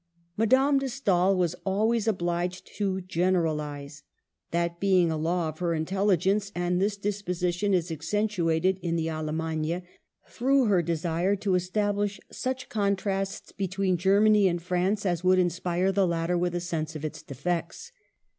Madame de Stael was always obliged to gen eralize, that being a law of her intelligence, and this disposition is accentuated in the Alletnagne, through her desire to establish such contrasts between Germany and France, as would inspire the latter with a sense of its defects.